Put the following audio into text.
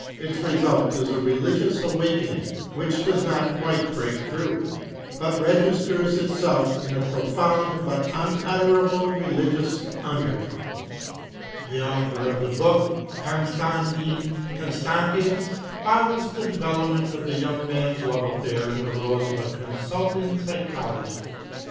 Its result is a religious awakening which does not quite break through, but registers itself in a profound but unutterable religious undertone. The author of the book, Constantin Constantius, follows the development of the young man's love affair in the role of a consulting psychologist.